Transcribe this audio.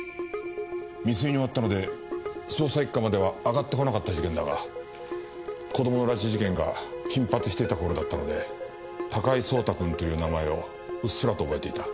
未遂に終わったので捜査一課までは上がってこなかった事件だが子どもの拉致事件が頻発していた頃だったので高井蒼太くんという名前をうっすらと覚えていた。